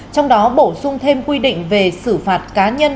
trong đó bổ sung thêm quy định về xử phạt cá nhân